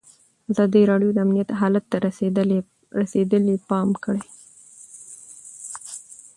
ازادي راډیو د امنیت حالت ته رسېدلي پام کړی.